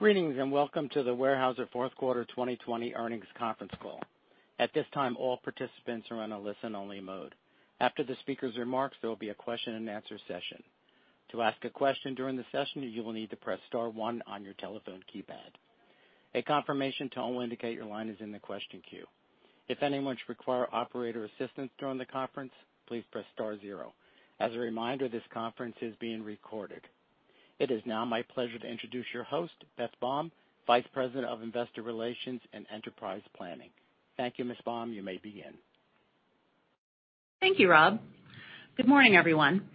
Greetings and welcome to the Weyerhaeuser Fourth Quarter 2020 Earnings Conference Call. At this time, all participants are on a listen-only mode. After the speaker's remarks, there will be a question-and-answer session. To ask a question during the session, you will need to press star one on your telephone keypad. A confirmation tone will indicate your line is in the question queue. If anyone should require operator assistance during the conference, please press star zero. As a reminder, this conference is being recorded. It is now my pleasure to introduce your host, Beth Baum, Vice President of Investor Relations and Enterprise Planning. Thank you, Ms. Baum. You may begin. Thank you, Rob. Good morning, everyone.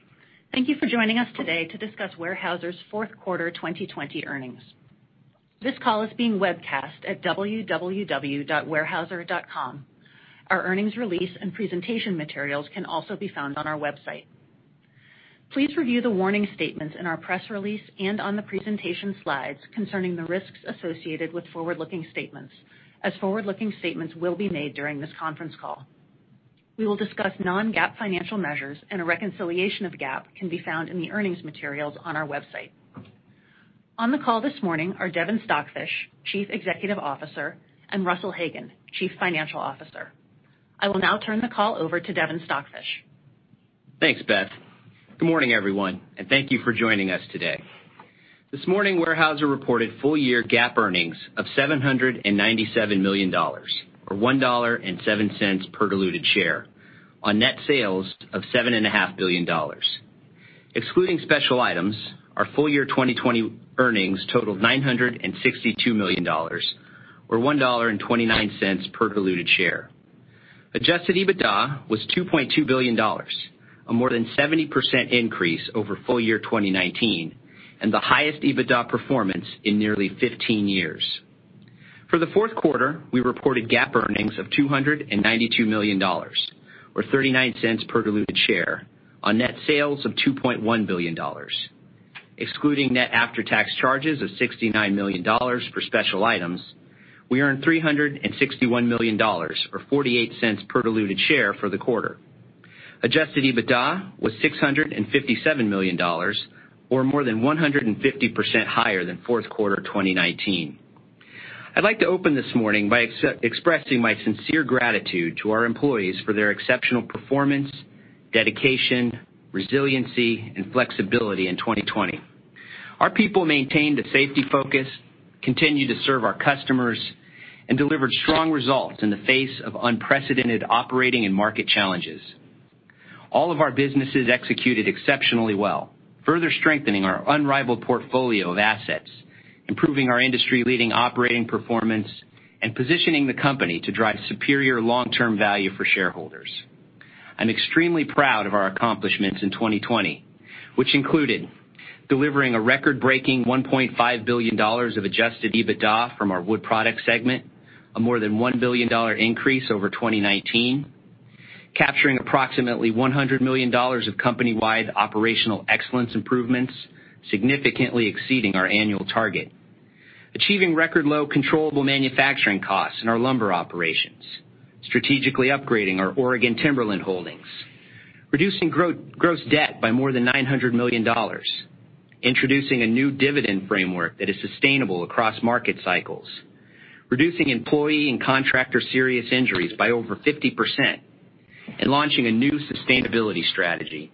Thank you for joining us today to discuss Weyerhaeuser's Fourth Quarter 2020 earnings. This call is being webcast at www.weyerhaeuser.com. Our earnings release and presentation materials can also be found on our website. Please review the warning statements in our press release and on the presentation slides concerning the risks associated with forward-looking statements, as forward-looking statements will be made during this conference call. We will discuss non-GAAP financial measures, and a reconciliation of GAAP can be found in the earnings materials on our website. On the call this morning are Devin Stockfish, Chief Executive Officer, and Russell Hagen, Chief Financial Officer. I will now turn the call over to Devin Stockfish. Thanks, Beth. Good morning, everyone, and thank you for joining us today. This morning, Weyerhaeuser reported full-year GAAP earnings of $797 million, or $1.07 per diluted share, on net sales of $7.5 billion. Excluding special items, our full-year 2020 earnings totaled $962 million, or $1.29 per diluted share. Adjusted EBITDA was $2.2 billion, a more than 70% increase over full-year 2019, and the highest EBITDA performance in nearly 15 years. For the fourth quarter, we reported GAAP earnings of $292 million, or $0.39 per diluted share, on net sales of $2.1 billion. Excluding net after-tax charges of $69 million for special items, we earned $361 million, or $0.48 per diluted share, for the quarter. Adjusted EBITDA was $657 million, or more than 150% higher than fourth quarter 2019. I'd like to open this morning by expressing my sincere gratitude to our employees for their exceptional performance, dedication, resiliency, and flexibility in 2020. Our people maintained a safety focus, continued to serve our customers, and delivered strong results in the face of unprecedented operating and market challenges. All of our businesses executed exceptionally well, further strengthening our unrivaled portfolio of assets, improving our industry-leading operating performance, and positioning the company to drive superior long-term value for shareholders. I'm extremely proud of our accomplishments in 2020, which included delivering a record-breaking $1.5 billion of adjusted EBITDA from our Wood Product segment, a more than $1 billion increase over 2019, capturing approximately $100 million of company-wide operational excellence improvements, significantly exceeding our annual target, achieving record-low controllable manufacturing costs in our lumber operations, strategically upgrading our Oregon timberland holdings, reducing gross debt by more than $900 million, introducing a new dividend framework that is sustainable across market cycles, reducing employee and contractor serious injuries by over 50%, and launching a new sustainability strategy.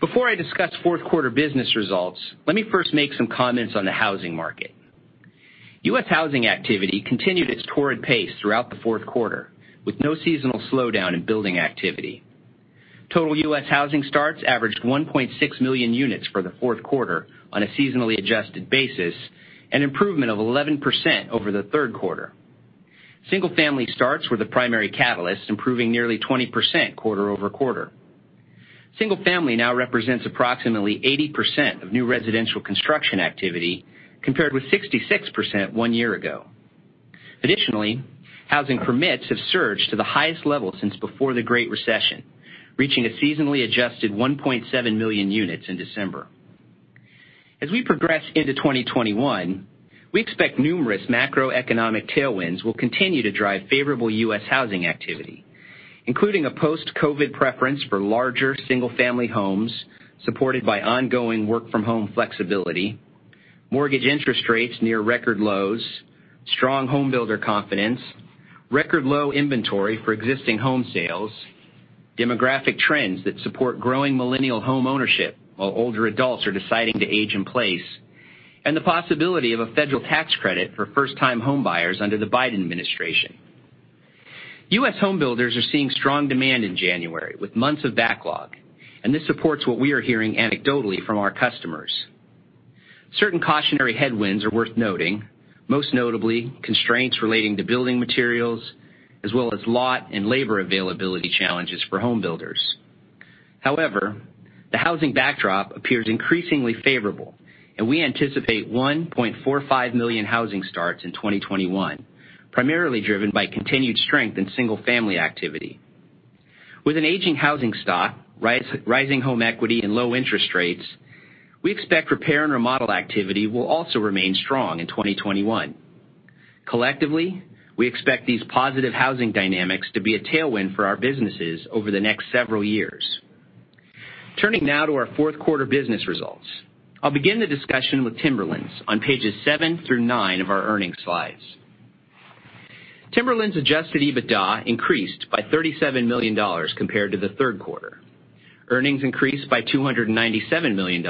Before I discuss fourth quarter business results, let me first make some comments on the housing market. U.S. housing activity continued its torrid pace throughout the fourth quarter, with no seasonal slowdown in building activity. Total U.S. housing starts averaged 1.6 million units for the fourth quarter on a seasonally adjusted basis, an improvement of 11% over the third quarter. Single-family starts were the primary catalyst, improving nearly 20% quarter-over-quarter. Single-family now represents approximately 80% of new residential construction activity, compared with 66% one year ago. Additionally, housing permits have surged to the highest level since before the Great Recession, reaching a seasonally adjusted 1.7 million units in December. As we progress into 2021, we expect numerous macroeconomic tailwinds will continue to drive favorable U.S. housing activity, including a post-COVID preference for larger single-family homes supported by ongoing work-from-home flexibility, mortgage interest rates near record lows, strong homebuilder confidence, record-low inventory for existing home sales, demographic trends that support growing millennial homeownership while older adults are deciding to age in place, and the possibility of a federal tax credit for first-time homebuyers under the Biden administration. U.S. homebuilders are seeing strong demand in January with months of backlog, and this supports what we are hearing anecdotally from our customers. Certain cautionary headwinds are worth noting, most notably constraints relating to building materials, as well as lot and labor availability challenges for homebuilders. However, the housing backdrop appears increasingly favorable, and we anticipate 1.45 million housing starts in 2021, primarily driven by continued strength in single-family activity. With an aging housing stock, rising home equity, and low interest rates, we expect repair and remodel activity will also remain strong in 2021. Collectively, we expect these positive housing dynamics to be a tailwind for our businesses over the next several years. Turning now to our fourth quarter business results, I'll begin the discussion with Timberlands on pages seven through nine of our earnings slides. Timberlands' adjusted EBITDA increased by $37 million compared to the third quarter. Earnings increased by $297 million,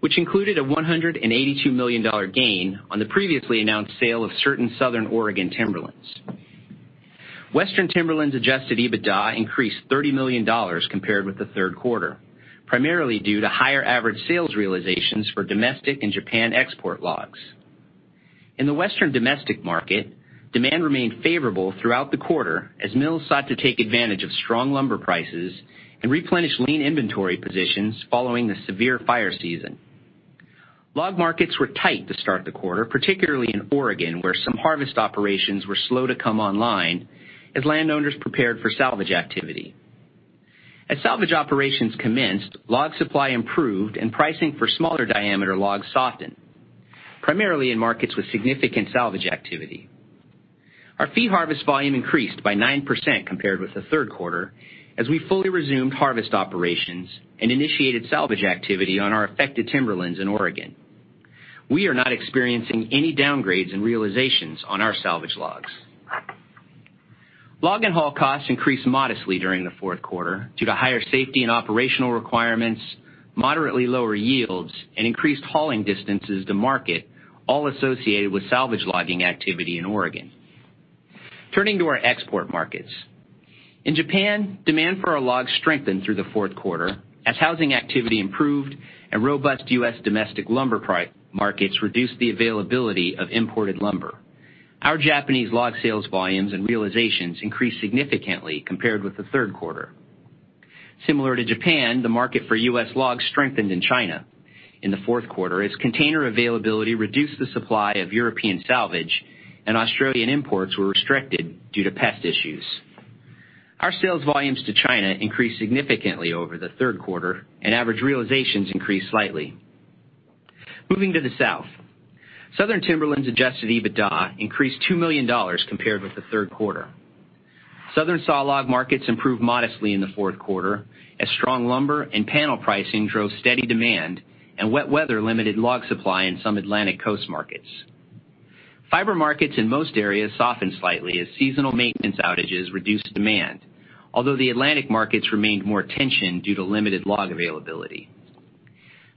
which included a $182 million gain on the previously announced sale of certain Southern Oregon Timberlands. Western Timberlands' adjusted EBITDA increased $30 million compared with the third quarter, primarily due to higher average sales realizations for domestic and Japan export logs. In the Western domestic market, demand remained favorable throughout the quarter as mills sought to take advantage of strong lumber prices and replenish lean inventory positions following the severe fire season. Log markets were tight to start the quarter, particularly in Oregon, where some harvest operations were slow to come online as landowners prepared for salvage activity. As salvage operations commenced, log supply improved and pricing for smaller diameter logs softened, primarily in markets with significant salvage activity. Our fee harvest volume increased by 9% compared with the third quarter as we fully resumed harvest operations and initiated salvage activity on our affected Timberlands in Oregon. We are not experiencing any downgrades in realizations on our salvage logs. Log and haul costs increased modestly during the fourth quarter due to higher safety and operational requirements, moderately lower yields, and increased hauling distances to market, all associated with salvage logging activity in Oregon. Turning to our export markets, in Japan, demand for our logs strengthened through the fourth quarter as housing activity improved and robust U.S. domestic lumber markets reduced the availability of imported lumber. Our Japanese log sales volumes and realizations increased significantly compared with the third quarter. Similar to Japan, the market for U.S. logs strengthened in China in the fourth quarter as container availability reduced the supply of European salvage, and Australian imports were restricted due to pest issues. Our sales volumes to China increased significantly over the third quarter, and average realizations increased slightly. Moving to the South, Southern Timberlands' adjusted EBITDA increased $2 million compared with the third quarter. Southern saw log markets improve modestly in the fourth quarter as strong lumber and panel pricing drove steady demand, and wet weather limited log supply in some Atlantic coast markets. Fiber markets in most areas softened slightly as seasonal maintenance outages reduced demand, although the Atlantic markets remained more tense due to limited log availability.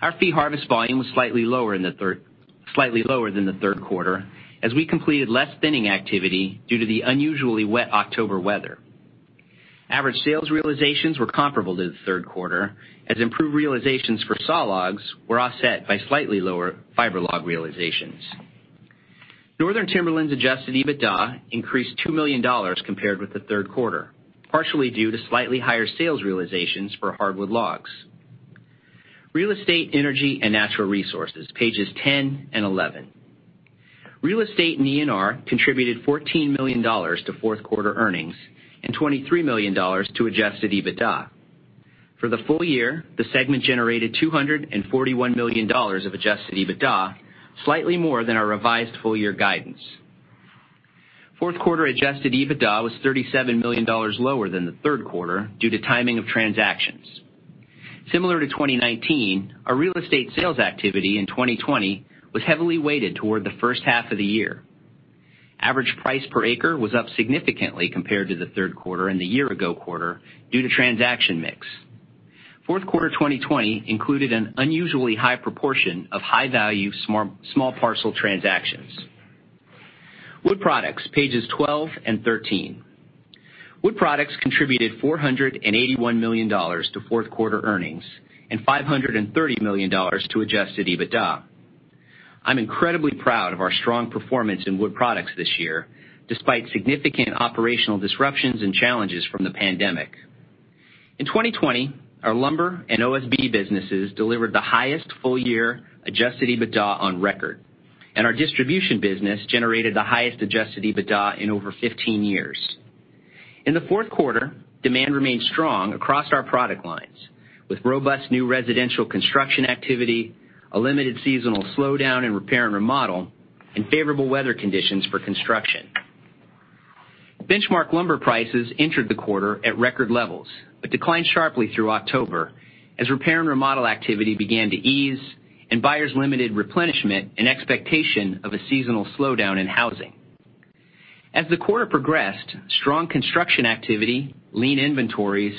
Our fee harvest volume was slightly lower than the third quarter as we completed less thinning activity due to the unusually wet October weather. Average sales realizations were comparable to the third quarter as improved realizations for saw logs were offset by slightly lower fiber log realizations. Northern Timberlands' adjusted EBITDA increased $2 million compared with the third quarter, partially due to slightly higher sales realizations for hardwood logs. Real Estate, Energy, and Natural Resources, pages 10 and 11. Real Estate and ENR contributed $14 million to fourth quarter earnings and $23 million to adjusted EBITDA. For the full year, the segment generated $241 million of adjusted EBITDA, slightly more than our revised full-year guidance. Fourth quarter adjusted EBITDA was $37 million lower than the third quarter due to timing of transactions. Similar to 2019, our real estate sales activity in 2020 was heavily weighted toward the first half of the year. Average price per acre was up significantly compared to the third quarter and the year-ago quarter due to transaction mix. Fourth quarter 2020 included an unusually high proportion of high-value small parcel transactions. Wood Products, pages 12 and 13. Wood Products contributed $481 million to fourth quarter earnings and $530 million to adjusted EBITDA. I'm incredibly proud of our strong performance in Wood Products this year, despite significant operational disruptions and challenges from the pandemic. In 2020, our lumber and OSB businesses delivered the highest full-year adjusted EBITDA on record, and our distribution business generated the highest adjusted EBITDA in over 15 years. In the fourth quarter, demand remained strong across our product lines, with robust new residential construction activity, a limited seasonal slowdown in repair and remodel, and favorable weather conditions for construction. Benchmark lumber prices entered the quarter at record levels but declined sharply through October as repair and remodel activity began to ease and buyers limited replenishment and expectation of a seasonal slowdown in housing. As the quarter progressed, strong construction activity, lean inventories,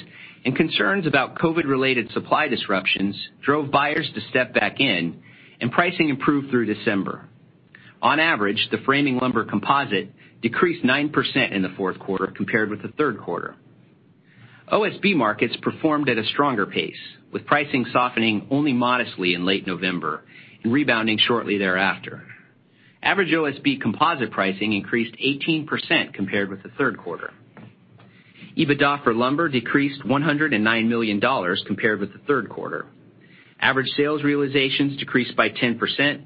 and concerns about COVID-related supply disruptions drove buyers to step back in, and pricing improved through December. On average, the framing lumber composite decreased 9% in the fourth quarter compared with the third quarter. OSB markets performed at a stronger pace, with pricing softening only modestly in late November and rebounding shortly thereafter. Average OSB composite pricing increased 18% compared with the third quarter. EBITDA for lumber decreased $109 million compared with the third quarter. Average sales realizations decreased by 10%,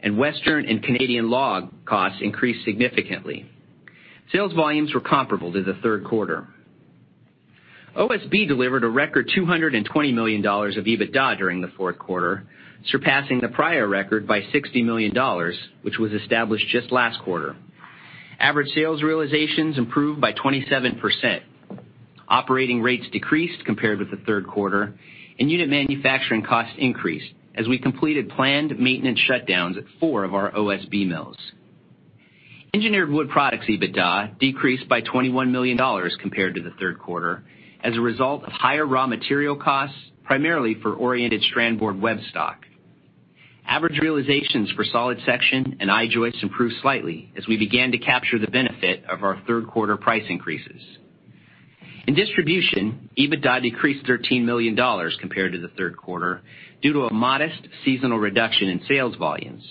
and Western and Canadian log costs increased significantly. Sales volumes were comparable to the third quarter. OSB delivered a record $220 million of EBITDA during the fourth quarter, surpassing the prior record by $60 million, which was established just last quarter. Average sales realizations improved by 27%. Operating rates decreased compared with the third quarter, and unit manufacturing costs increased as we completed planned maintenance shutdowns at four of our OSB mills. Engineered Wood Products' EBITDA decreased by $21 million compared to the third quarter as a result of higher raw material costs, primarily for Oriented Strand Board web stock. Average realizations for solid section and I-joists improved slightly as we began to capture the benefit of our third quarter price increases. In distribution, EBITDA decreased $13 million compared to the third quarter due to a modest seasonal reduction in sales volumes.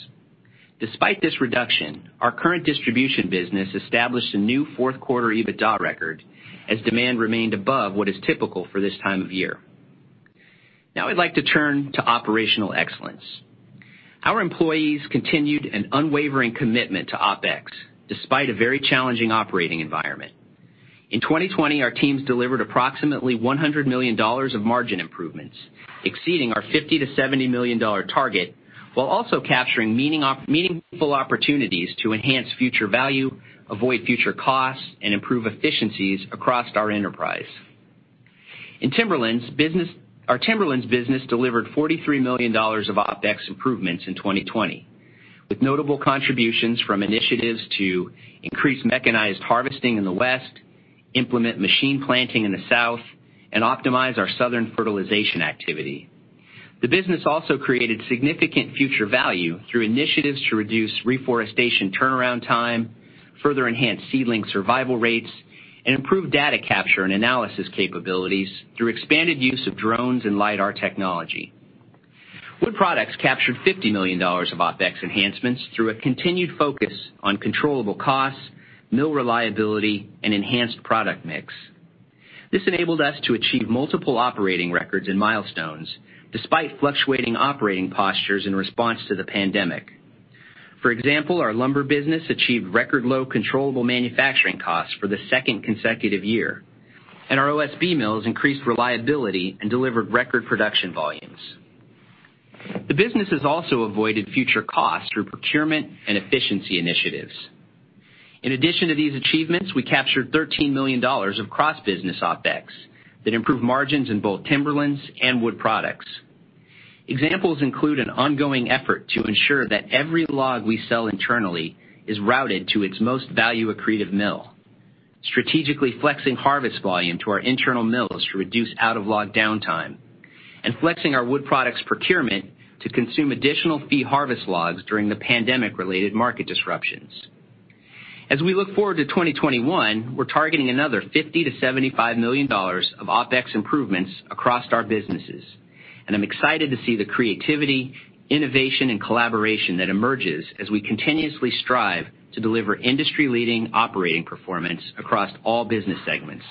Despite this reduction, our current distribution business established a new fourth quarter EBITDA record as demand remained above what is typical for this time of year. Now I'd like to turn to operational excellence. Our employees continued an unwavering commitment to OPEX despite a very challenging operating environment. In 2020, our teams delivered approximately $100 million of margin improvements, exceeding our $50 million-$70 million target, while also capturing meaningful opportunities to enhance future value, avoid future costs, and improve efficiencies across our enterprise. In Timberlands, our Timberlands business delivered $43 million of OPEX improvements in 2020, with notable contributions from initiatives to increase mechanized harvesting in the West, implement machine planting in the South, and optimize our Southern fertilization activity. The business also created significant future value through initiatives to reduce reforestation turnaround time, further enhance seedling survival rates, and improve data capture and analysis capabilities through expanded use of drones and LiDAR technology. Wood Products captured $50 million of OPEX enhancements through a continued focus on controllable costs, mill reliability, and enhanced product mix. This enabled us to achieve multiple operating records and milestones despite fluctuating operating postures in response to the pandemic. For example, our lumber business achieved record-low controllable manufacturing costs for the second consecutive year, and our OSB mills increased reliability and delivered record production volumes. The business has also avoided future costs through procurement and efficiency initiatives. In addition to these achievements, we captured $13 million of cross-business OPEX that improved margins in both Timberlands and Wood Products. Examples include an ongoing effort to ensure that every log we sell internally is routed to its most value-accretive mill, strategically flexing harvest volume to our internal mills to reduce out-of-log downtime, and flexing our Wood Products procurement to consume additional fee harvest logs during the pandemic-related market disruptions. As we look forward to 2021, we're targeting another $50 million-$75 million of OPEX improvements across our businesses, and I'm excited to see the creativity, innovation, and collaboration that emerges as we continuously strive to deliver industry-leading operating performance across all business segments.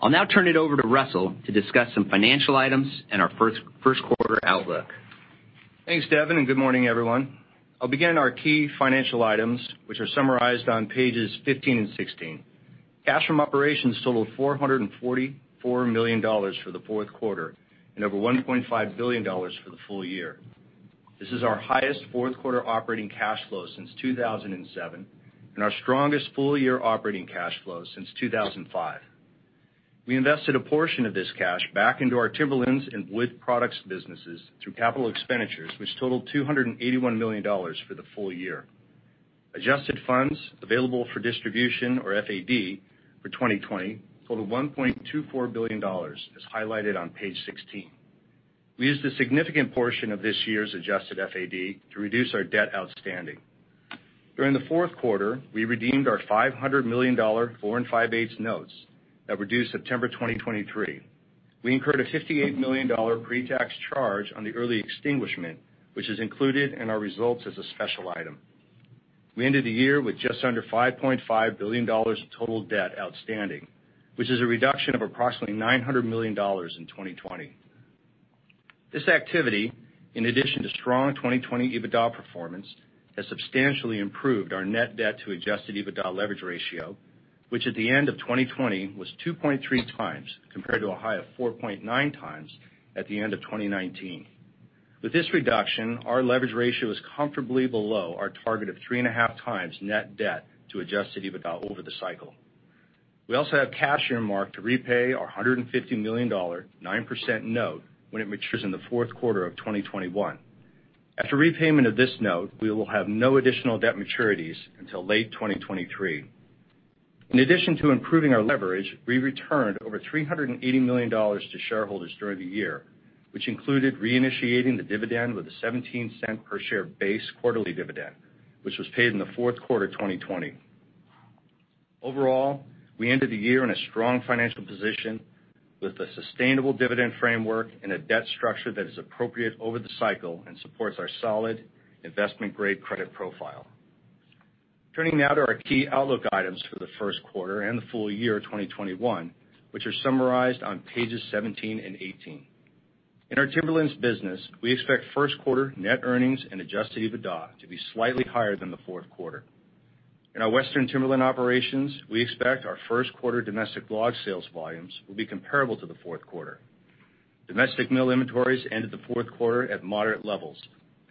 I'll now turn it over to Russell to discuss some financial items and our first quarter outlook. Thanks, Devin, and good morning, everyone. I'll begin our key financial items, which are summarized on pages 15 and 16. Cash from operations totaled $444 million for the fourth quarter and over $1.5 billion for the full year. This is our highest fourth quarter operating cash flow since 2007 and our strongest full-year operating cash flow since 2005. We invested a portion of this cash back into our Timberlands and Wood Products businesses through capital expenditures, which totaled $281 million for the full year. Adjusted funds available for distribution, or FAD, for 2020 totaled $1.24 billion, as highlighted on page 16. We used a significant portion of this year's adjusted FAD to reduce our debt outstanding. During the fourth quarter, we redeemed our $500 million 4 5/8% notes that were due September 2023. We incurred a $58 million pre-tax charge on the early extinguishment, which is included in our results as a special item. We ended the year with just under $5.5 billion total debt outstanding, which is a reduction of approximately $900 million in 2020. This activity, in addition to strong 2020 EBITDA performance, has substantially improved our net debt to adjusted EBITDA leverage ratio, which at the end of 2020 was 2.3x compared to a high of 4.9x at the end of 2019. With this reduction, our leverage ratio is comfortably below our target of 3.5x net debt to adjusted EBITDA over the cycle. We also have cash earmarked to repay our $150 million, 9% note, when it matures in the fourth quarter of 2021. After repayment of this note, we will have no additional debt maturities until late 2023. In addition to improving our leverage, we returned over $380 million to shareholders during the year, which included reinitiating the dividend with a $0.17 per share base quarterly dividend, which was paid in the fourth quarter 2020. Overall, we ended the year in a strong financial position with a sustainable dividend framework and a debt structure that is appropriate over the cycle and supports our solid investment-grade credit profile. Turning now to our key outlook items for the first quarter and the full year 2021, which are summarized on pages 17 and 18. In our Timberlands business, we expect first quarter net earnings and adjusted EBITDA to be slightly higher than the fourth quarter. In our Western Timberlands operations, we expect our first quarter domestic log sales volumes will be comparable to the fourth quarter. Domestic mill inventories ended the fourth quarter at moderate levels,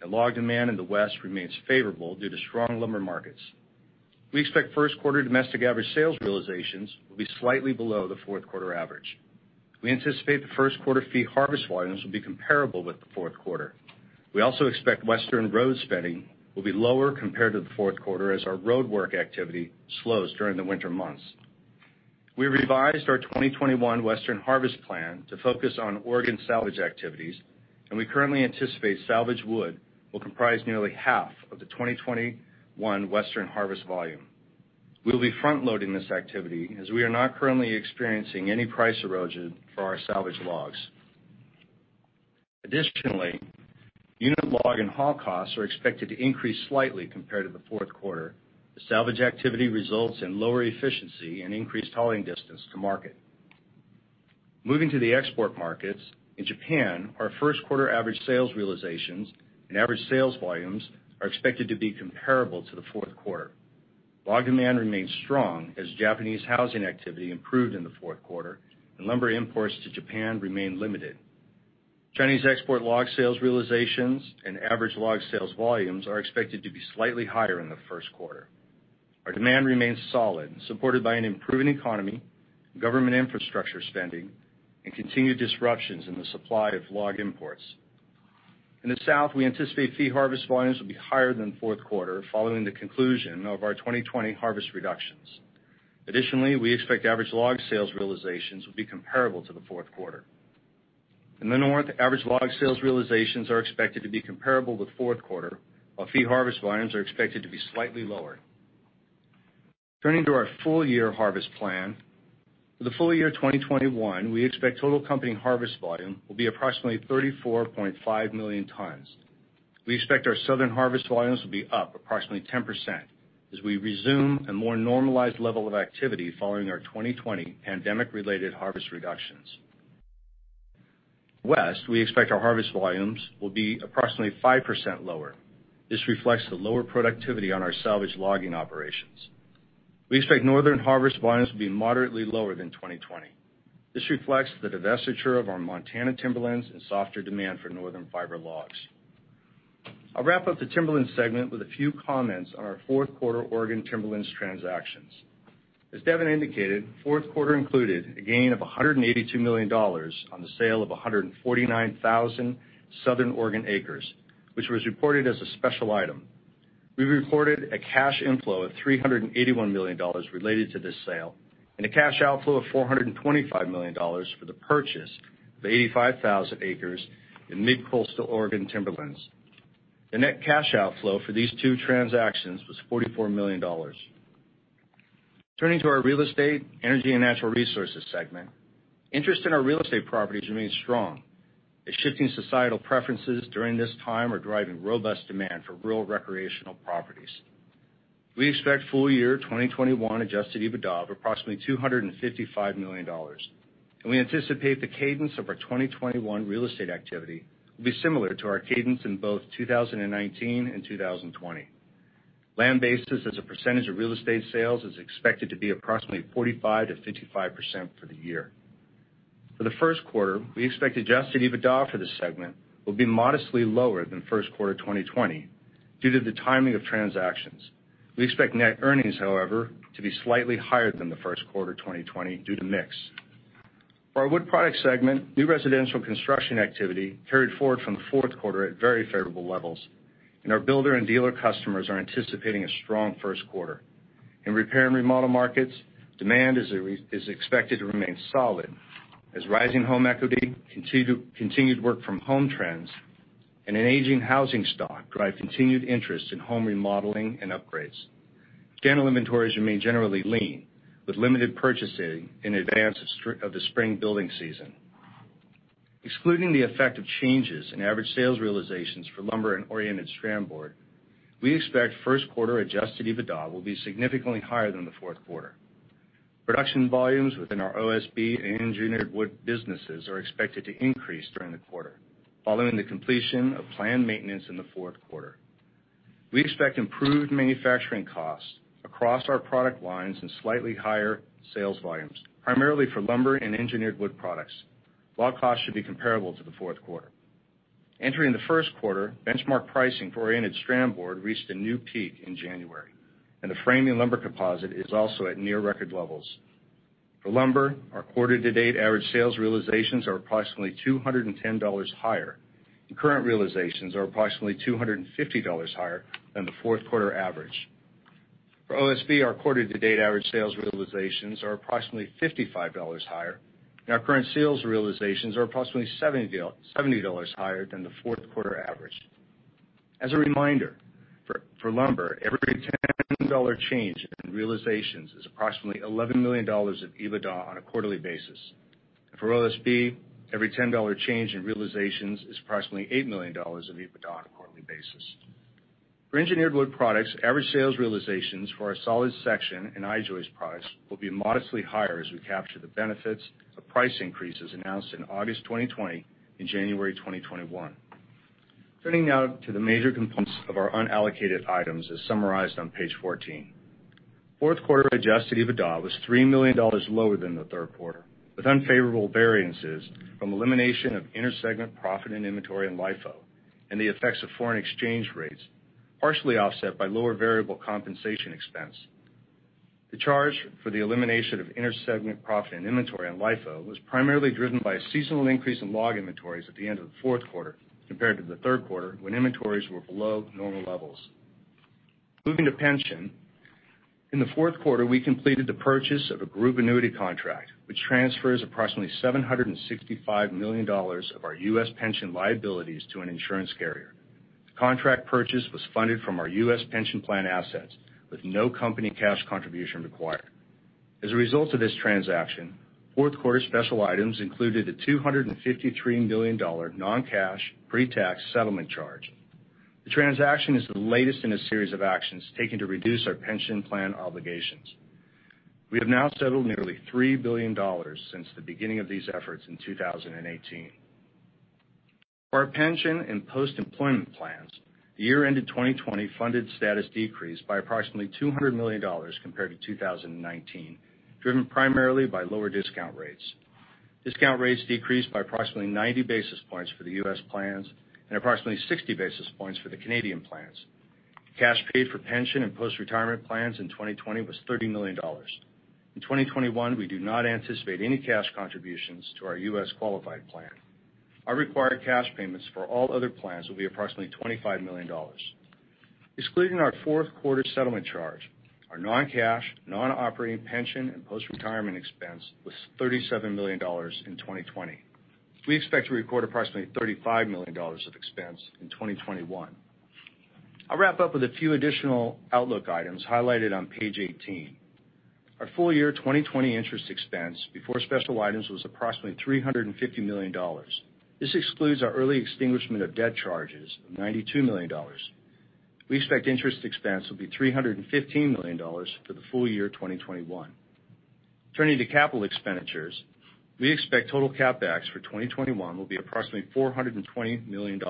and log demand in the West remains favorable due to strong lumber markets. We expect first quarter domestic average sales realizations will be slightly below the fourth quarter average. We anticipate the first quarter fee harvest volumes will be comparable with the fourth quarter. We also expect Western road spending will be lower compared to the fourth quarter as our roadwork activity slows during the winter months. We revised our 2021 Western harvest plan to focus on Oregon salvage activities, and we currently anticipate salvage wood will comprise nearly half of the 2021 Western harvest volume. We will be front-loading this activity as we are not currently experiencing any price erosion for our salvage logs. Additionally, unit log and haul costs are expected to increase slightly compared to the fourth quarter. The salvage activity results in lower efficiency and increased hauling distance to market. Moving to the export markets, in Japan, our first quarter average sales realizations and average sales volumes are expected to be comparable to the fourth quarter. Log demand remains strong as Japanese housing activity improved in the fourth quarter, and lumber imports to Japan remain limited. Chinese export log sales realizations and average log sales volumes are expected to be slightly higher in the first quarter. Our demand remains solid, supported by an improving economy, government infrastructure spending, and continued disruptions in the supply of log imports. In the South, we anticipate fee harvest volumes will be higher than the fourth quarter following the conclusion of our 2020 harvest reductions. Additionally, we expect average log sales realizations will be comparable to the fourth quarter. In the North, average log sales realizations are expected to be comparable with the fourth quarter, while fee harvest volumes are expected to be slightly lower. Turning to our full-year harvest plan, for the full year 2021, we expect total company harvest volume will be approximately 34.5 million tons. We expect our Southern harvest volumes will be up approximately 10% as we resume a more normalized level of activity following our 2020 pandemic-related harvest reductions. West, we expect our harvest volumes will be approximately 5% lower. This reflects the lower productivity on our salvage logging operations. We expect Northern harvest volumes to be moderately lower than 2020. This reflects the divestiture of our Montana Timberlands and softer demand for Northern fiber logs. I'll wrap up the Timberlands segment with a few comments on our fourth quarter Oregon Timberlands transactions. As Devin indicated, fourth quarter included a gain of $182 million on the sale of 149,000 Southern Oregon acres, which was reported as a special item. We recorded a cash inflow of $381 million related to this sale and a cash outflow of $425 million for the purchase of 85,000 acres in mid-coastal Oregon Timberlands. The net cash outflow for these two transactions was $44 million. Turning to our real estate, energy, and natural resources segment, interest in our real estate properties remains strong. Shifting societal preferences during this time are driving robust demand for rural recreational properties. We expect full year 2021 adjusted EBITDA of approximately $255 million, and we anticipate the cadence of our 2021 real estate activity will be similar to our cadence in both 2019 and 2020. Land basis as a percentage of real estate sales is expected to be approximately 45%-55% for the year. For the first quarter, we expect adjusted EBITDA for this segment will be modestly lower than first quarter 2020 due to the timing of transactions. We expect net earnings, however, to be slightly higher than the first quarter 2020 due to mix. For our Wood Products segment, new residential construction activity carried forward from the fourth quarter at very favorable levels, and our builder and dealer customers are anticipating a strong first quarter. In repair and remodel markets, demand is expected to remain solid as rising home equity, continued work from home trends, and an aging housing stock drive continued interest in home remodeling and upgrades. Channel inventories remain generally lean, with limited purchasing in advance of the spring building season. Excluding the effect of changes in average sales realizations for lumber and Oriented Strand Board, we expect first quarter adjusted EBITDA will be significantly higher than the fourth quarter. Production volumes within our OSB and Engineered Wood businesses are expected to increase during the quarter following the completion of planned maintenance in the fourth quarter. We expect improved manufacturing costs across our product lines and slightly higher sales volumes, primarily for lumber and Engineered Wood Products. Log costs should be comparable to the fourth quarter. Entering the first quarter, benchmark pricing for Oriented Strand Board reached a new peak in January, and the framing lumber composite is also at near record levels. For lumber, our quarter-to-date average sales realizations are approximately $210 higher, and current realizations are approximately $250 higher than the fourth quarter average. For OSB, our quarter-to-date average sales realizations are approximately $55 higher, and our current sales realizations are approximately $70 higher than the fourth quarter average. As a reminder, for lumber, every $10 change in realizations is approximately $11 million of EBITDA on a quarterly basis. For OSB, every $10 change in realizations is approximately $8 million of EBITDA on a quarterly basis. For Engineered Wood Products, average sales realizations for our solid section and I-joist products will be modestly higher as we capture the benefits of price increases announced in August 2020 and January 2021. Turning now to the major components of our unallocated items as summarized on page 14. Fourth quarter adjusted EBITDA was $3 million lower than the third quarter, with unfavorable variances from elimination of intersegment profit and inventory in LIFO and the effects of foreign exchange rates, partially offset by lower variable compensation expense. The charge for the elimination of intersegment profit and inventory in LIFO was primarily driven by a seasonal increase in log inventories at the end of the fourth quarter compared to the third quarter when inventories were below normal levels. Moving to pension, in the fourth quarter, we completed the purchase of a group annuity contract, which transfers approximately $765 million of our U.S. pension liabilities to an insurance carrier. The contract purchase was funded from our U.S. pension plan assets with no company cash contribution required. As a result of this transaction, fourth quarter special items included a $253 million non-cash pre-tax settlement charge. The transaction is the latest in a series of actions taken to reduce our pension plan obligations. We have now settled nearly $3 billion since the beginning of these efforts in 2018. For our pension and post-employment plans, the year-ended 2020 funded status decreased by approximately $200 million compared to 2019, driven primarily by lower discount rates. Discount rates decreased by approximately 90 basis points for the U.S. plans and approximately 60 basis points for the Canadian plans. Cash paid for pension and post-retirement plans in 2020 was $30 million. In 2021, we do not anticipate any cash contributions to our U.S. qualified plan. Our required cash payments for all other plans will be approximately $25 million. Excluding our fourth quarter settlement charge, our non-cash, non-operating pension, and post-retirement expense was $37 million in 2020. We expect to record approximately $35 million of expense in 2021. I'll wrap up with a few additional outlook items highlighted on page 18. Our full year 2020 interest expense before special items was approximately $350 million. This excludes our early extinguishment of debt charges of $92 million. We expect interest expense will be $315 million for the full year 2021. Turning to capital expenditures, we expect total CapEx for 2021 will be approximately $420 million,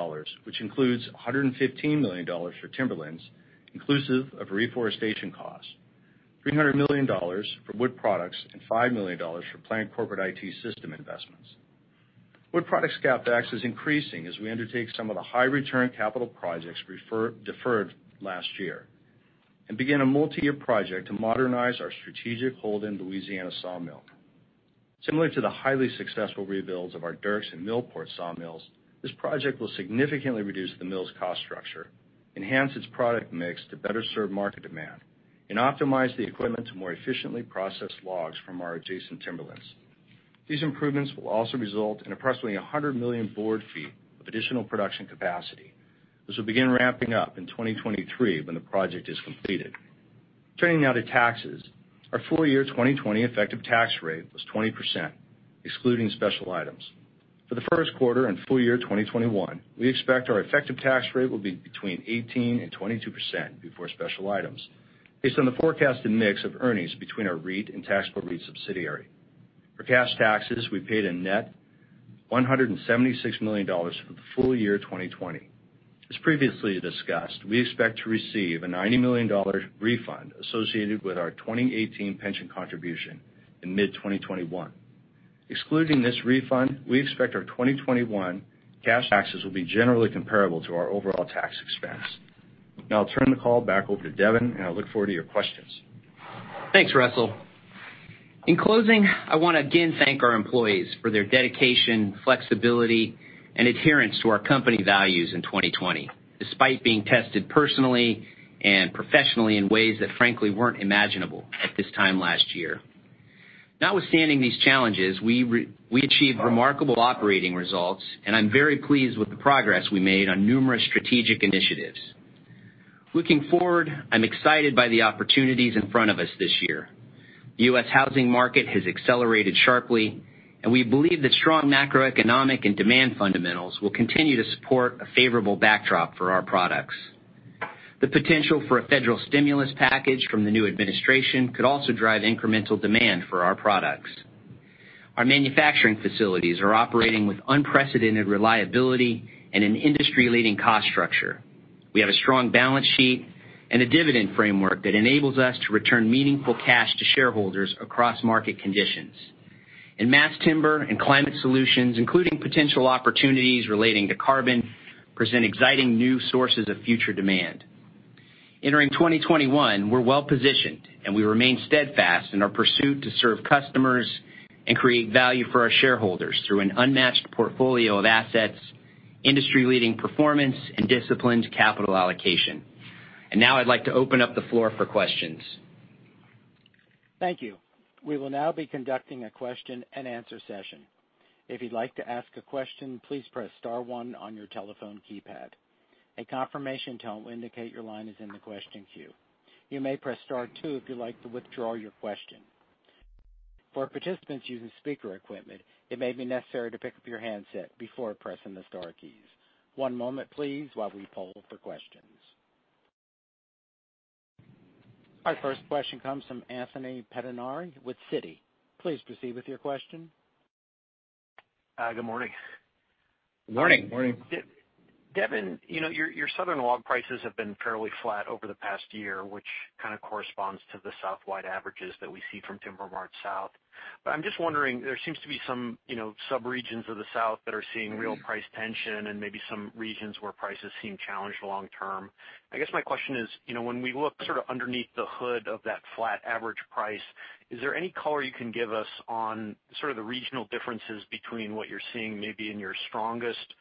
which includes $115 million for Timberlands, inclusive of reforestation costs, $300 million for Wood Products, and $5 million for plant corporate IT system investments. Wood Products CapEx is increasing as we undertake some of the high-return capital projects deferred last year and begin a multi-year project to modernize our strategic Holden Louisiana sawmill. Similar to the highly successful rebuilds of our Dierks and Millport sawmills, this project will significantly reduce the mill's cost structure, enhance its product mix to better serve market demand, and optimize the equipment to more efficiently process logs from our adjacent Timberlands. These improvements will also result in approximately 100 million board ft of additional production capacity. This will begin ramping up in 2023 when the project is completed. Turning now to taxes, our full year 2020 effective tax rate was 20%, excluding special items. For the first quarter and full year 2021, we expect our effective tax rate will be between 18%-22% before special items, based on the forecasted mix of earnings between our REIT and taxable REIT subsidiary. For cash taxes, we paid a net $176 million for the full year 2020. As previously discussed, we expect to receive a $90 million refund associated with our 2018 pension contribution in mid-2021. Excluding this refund, we expect our 2021 cash taxes will be generally comparable to our overall tax expense. Now I'll turn the call back over to Devin, and I look forward to your questions. Thanks, Russell. In closing, I want to again thank our employees for their dedication, flexibility, and adherence to our company values in 2020, despite being tested personally and professionally in ways that, frankly, weren't imaginable at this time last year. Notwithstanding these challenges, we achieved remarkable operating results, and I'm very pleased with the progress we made on numerous strategic initiatives. Looking forward, I'm excited by the opportunities in front of us this year. The U.S. housing market has accelerated sharply, and we believe that strong macroeconomic and demand fundamentals will continue to support a favorable backdrop for our products. The potential for a federal stimulus package from the new administration could also drive incremental demand for our products. Our manufacturing facilities are operating with unprecedented reliability and an industry-leading cost structure. We have a strong balance sheet and a dividend framework that enables us to return meaningful cash to shareholders across market conditions. And mass timber and climate solutions, including potential opportunities relating to carbon, present exciting new sources of future demand. Entering 2021, we're well positioned, and we remain steadfast in our pursuit to serve customers and create value for our shareholders through an unmatched portfolio of assets, industry-leading performance, and disciplined capital allocation. And now I'd like to open up the floor for questions. Thank you. We will now be conducting a question-and-answer session. If you'd like to ask a question, please press star one on your telephone keypad. A confirmation tone will indicate your line is in the question queue. You may press star two if you'd like to withdraw your question. For participants using speaker equipment, it may be necessary to pick up your handset before pressing the star keys. One moment, please, while we poll for questions. Our first question comes from Anthony Pettinari with Citi. Please proceed with your question. Good morning. Good morning. Good morning. Devin, your Southern log prices have been fairly flat over the past year, which kind of corresponds to the Southwide averages that we see from TimberMart-South. But I'm just wondering, there seems to be some subregions of the South that are seeing real price tension and maybe some regions where prices seem challenged long term. I guess my question is, when we look sort of underneath the hood of that flat average price, is there any color you can give us on sort of the regional differences between what you're seeing maybe in your strongest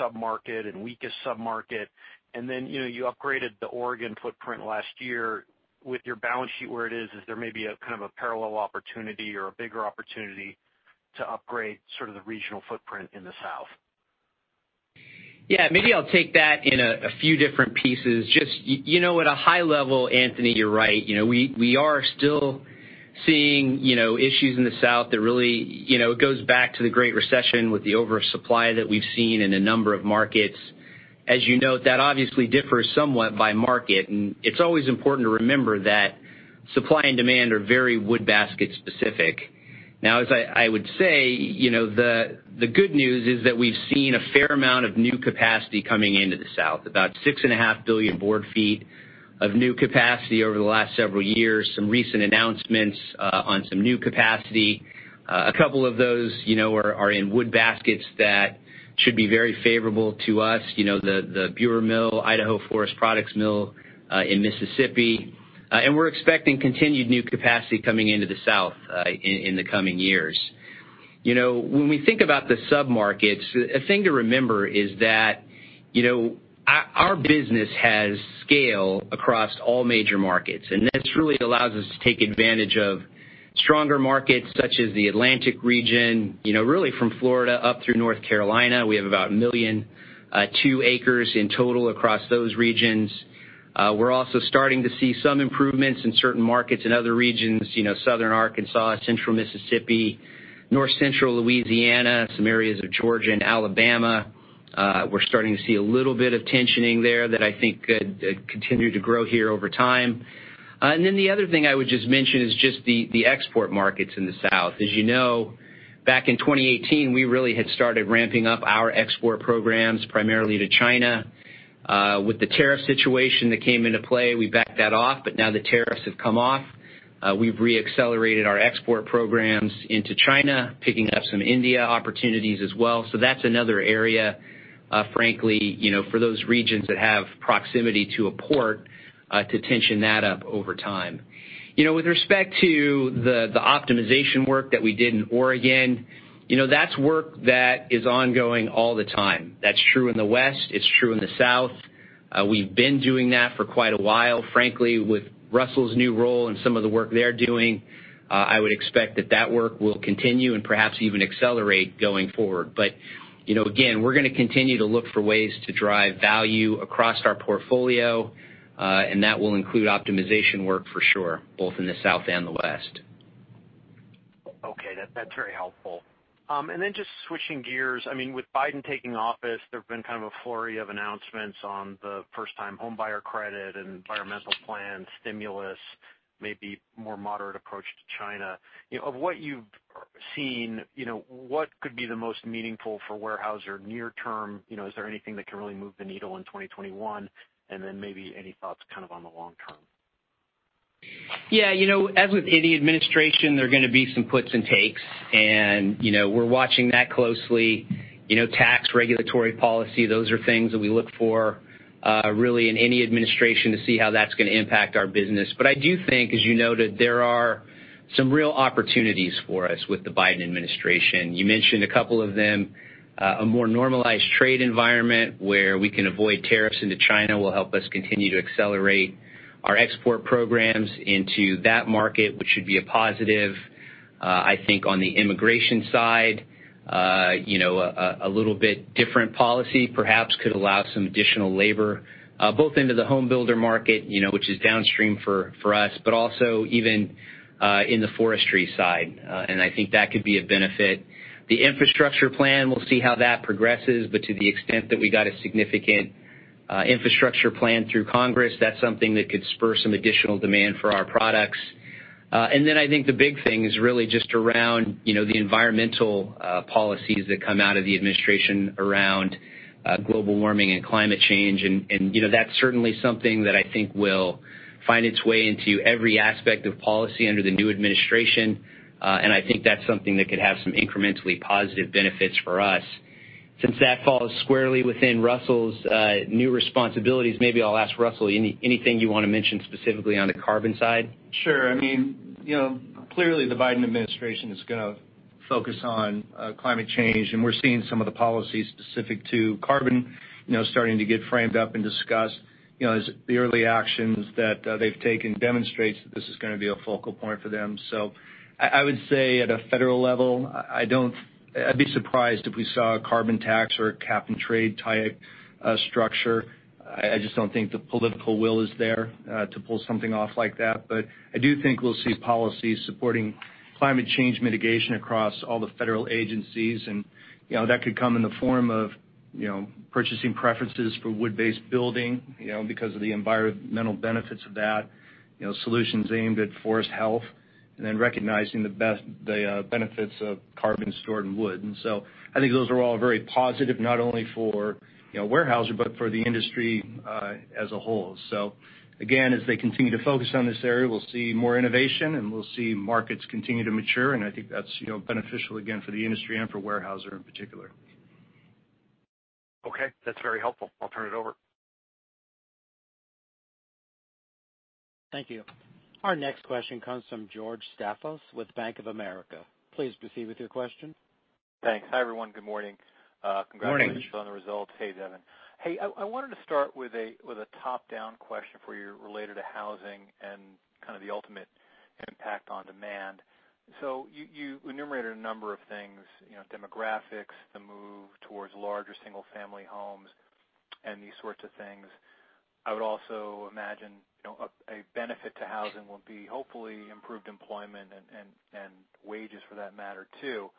submarket and weakest submarket? And then you upgraded the Oregon footprint last year. With your balance sheet, where it is, is there maybe a kind of a parallel opportunity or a bigger opportunity to upgrade sort of the regional footprint in the South? Yeah, maybe I'll take that in a few different pieces. Just at a high level, Anthony, you're right. We are still seeing issues in the South that really go back to the Great Recession with the oversupply that we've seen in a number of markets. As you note, that obviously differs somewhat by market, and it's always important to remember that supply and demand are very wood basket specific. Now, as I would say, the good news is that we've seen a fair amount of new capacity coming into the South, about 6.5 billion board ft of new capacity over the last several years, some recent announcements on some new capacity. A couple of those are in wood baskets that should be very favorable to us, the Biewer Mill, Idaho Forest Group Mill in Mississippi, and we're expecting continued new capacity coming into the South in the coming years. When we think about the submarkets, a thing to remember is that our business has scale across all major markets, and this really allows us to take advantage of stronger markets such as the Atlantic region. Really, from Florida up through North Carolina, we have about 1.2 million acres in total across those regions. We're also starting to see some improvements in certain markets in other regions: Southern Arkansas, Central Mississippi, North Central Louisiana, some areas of Georgia and Alabama. We're starting to see a little bit of tightening there that I think could continue to grow here over time. And then the other thing I would just mention is just the export markets in the South. As you know, back in 2018, we really had started ramping up our export programs primarily to China. With the tariff situation that came into play, we backed that off, but now the tariffs have come off. We've re-accelerated our export programs into China, picking up some India opportunities as well, so that's another area, frankly, for those regions that have proximity to a port to tension that up over time. With respect to the optimization work that we did in Oregon, that's work that is ongoing all the time. That's true in the West. It's true in the South. We've been doing that for quite a while. Frankly, with Russell's new role and some of the work they're doing, I would expect that that work will continue and perhaps even accelerate going forward, but again, we're going to continue to look for ways to drive value across our portfolio, and that will include optimization work for sure, both in the South and the West. Okay. That's very helpful. And then just switching gears, I mean, with Biden taking office, there've been kind of a flurry of announcements on the first-time homebuyer credit and environmental plan stimulus, maybe more moderate approach to China. Of what you've seen, what could be the most meaningful for Weyerhaeuser or near-term? Is there anything that can really move the needle in 2021? And then maybe any thoughts kind of on the long term? Yeah. As with any administration, there are going to be some puts and takes, and we're watching that closely. Tax, regulatory policy, those are things that we look for really in any administration to see how that's going to impact our business. But I do think, as you noted, there are some real opportunities for us with the Biden administration. You mentioned a couple of them. A more normalized trade environment where we can avoid tariffs into China will help us continue to accelerate our export programs into that market, which should be a positive. I think on the immigration side, a little bit different policy perhaps could allow some additional labor both into the homebuilder market, which is downstream for us, but also even in the forestry side, and I think that could be a benefit. The infrastructure plan, we'll see how that progresses, but to the extent that we got a significant infrastructure plan through Congress, that's something that could spur some additional demand for our products. And then I think the big thing is really just around the environmental policies that come out of the administration around global warming and climate change. And that's certainly something that I think will find its way into every aspect of policy under the new administration. And I think that's something that could have some incrementally positive benefits for us. Since that falls squarely within Russell's new responsibilities, maybe I'll ask Russell, anything you want to mention specifically on the carbon side? Sure. I mean, clearly, the Biden administration is going to focus on climate change, and we're seeing some of the policies specific to carbon starting to get framed up and discussed. The early actions that they've taken demonstrate that this is going to be a focal point for them. So I would say at a federal level, I'd be surprised if we saw a carbon tax or a cap-and-trade type structure. I just don't think the political will is there to pull something off like that. But I do think we'll see policies supporting climate change mitigation across all the federal agencies. And that could come in the form of purchasing preferences for wood-based building because of the environmental benefits of that, solutions aimed at forest health, and then recognizing the benefits of carbon stored in wood. And so I think those are all very positive, not only for Weyerhaeuser but for the industry as a whole. So again, as they continue to focus on this area, we'll see more innovation, and we'll see markets continue to mature. And I think that's beneficial again for the industry and for Weyerhaeuser in particular. Okay. That's very helpful. I'll turn it over. Thank you. Our next question comes from George Staphos with Bank of America. Please proceed with your question. Thanks. Hi, everyone. Good morning. Congratulations on the results. Good morning. Hey, Devin. Hey, I wanted to start with a top-down question for you related to housing and kind of the ultimate impact on demand. So you enumerated a number of things: demographics, the move towards larger single-family homes, and these sorts of things. I would also imagine a benefit to housing will be hopefully improved employment and wages for that matter too.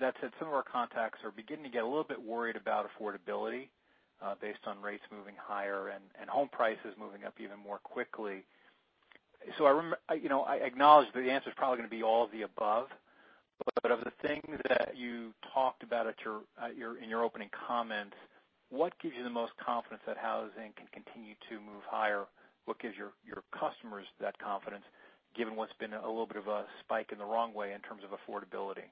That said, some of our contacts are beginning to get a little bit worried about affordability based on rates moving higher and home prices moving up even more quickly. So I acknowledge that the answer is probably going to be all of the above. But of the things that you talked about in your opening comments, what gives you the most confidence that housing can continue to move higher? What gives your customers that confidence given what's been a little bit of a spike in the wrong way in terms of affordability?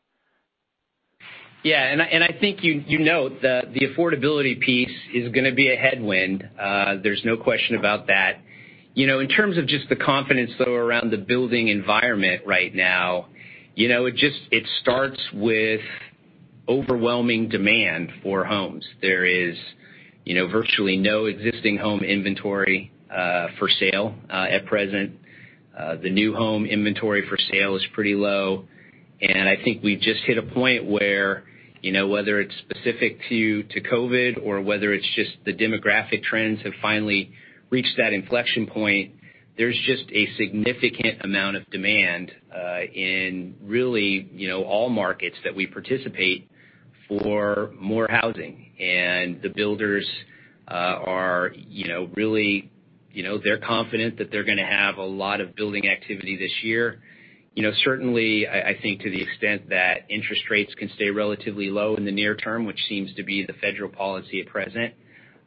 Yeah. And I think you know the affordability piece is going to be a headwind. There's no question about that. In terms of just the confidence, though, around the building environment right now, it starts with overwhelming demand for homes. There is virtually no existing home inventory for sale at present. The new home inventory for sale is pretty low. And I think we've just hit a point where whether it's specific to COVID or whether it's just the demographic trends have finally reached that inflection point, there's just a significant amount of demand in really all markets that we participate for more housing. And the builders are really confident that they're going to have a lot of building activity this year. Certainly, I think to the extent that interest rates can stay relatively low in the near term, which seems to be the federal policy at present,